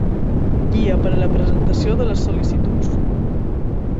Guia per a la presentació de les sol·licituds.